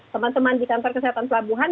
teman teman di kantor kesehatan pelabuhan